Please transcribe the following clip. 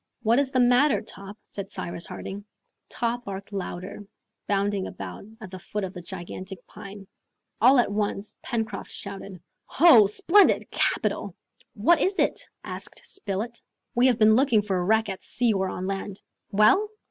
"What is the matter, Top?" said Cyrus Harding. Top barked louder, bounding about at the foot of a gigantic pine. All at once Pencroft shouted, "Ho, splendid! capital!" "What is it?" asked Spilett. "We have been looking for a wreck at sea or on land!" "Well?"